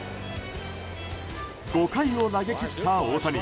５回を投げ切った大谷。